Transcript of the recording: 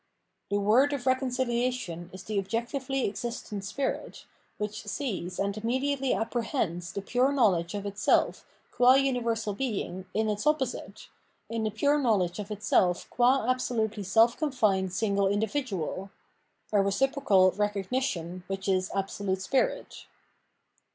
The word of reconciliation is the objectively existent spirit, which sees and imme diately apprehends the pure knowledge of itself qua universal being in its opposite, in the pure knowledge of itself quo, absolutely self confined single individual — a reciprocal recognition which is Absolute Spirit.